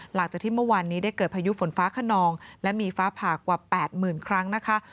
หลังจากที่เมื่อวานนี้ได้เกิดพายุฝนฟ้าขนองและมีฟ้าผ่ากว่า๘๐๐๐ครั้งนะคะ